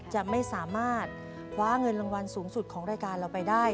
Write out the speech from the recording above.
จะไม่สามารถคว้าเงินรางวัลสูงสุดของรายการเราไปได้